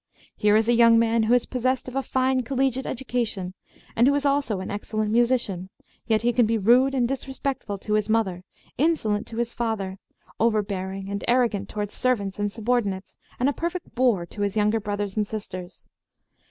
Here is a young man who is possessed of a fine collegiate education, and who is also an excellent musician. Yet he can be rude and disrespectful to his mother, insolent to his father, overbearing and arrogant towards servants and subordinates, and a perfect boor to his younger brothers and sisters.